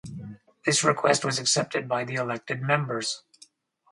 This request was accepted by the elected members.